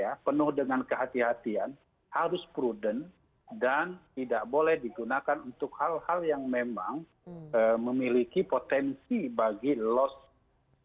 ya penuh dengan kehati hatian harus prudent dan tidak boleh digunakan untuk hal hal yang memang memiliki potensi bagi loss terhadap investasi tersebut